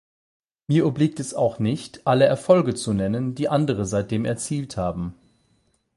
Mir obliegt es auch nicht, alle Erfolge zu nennen, die andere seitdem erzielt haben.